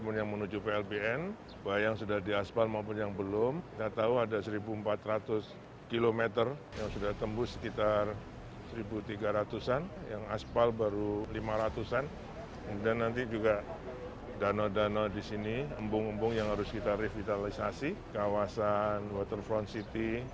ini adalah hubung hubung yang harus kita revitalisasi kawasan waterfront city